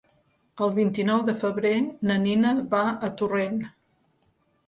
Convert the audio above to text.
El vint-i-nou de febrer na Nina va a Torrent.